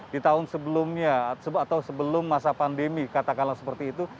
di tahun sebelumnya atau sebelum masa pandemi katakanlah seperti itu